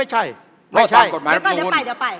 ใช่เดี๋ยวก่อนเดี๋ยวไปเดี๋ยวไป